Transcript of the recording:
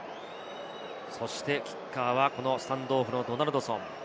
キッカーはスタンドオフのドナルドソン。